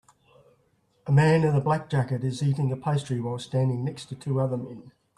A man in a black jacket is eating a pastry while standing next to two other men.